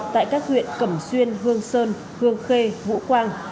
tại các huyện cẩm xuyên hương sơn hương khê vũ quang